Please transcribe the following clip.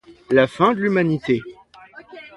La fin de l'humanité.